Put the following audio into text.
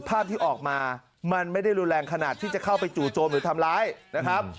ภาพที่ออกมามันไม่ได้รุนแรงขนาดที่จะเข้าไปจู่โจมหรือทำร้ายนะครับ